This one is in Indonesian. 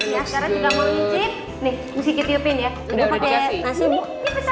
ya udah dikasih